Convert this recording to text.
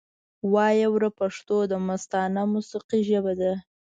وایې وره پښتو دمستانه موسیقۍ ژبه ده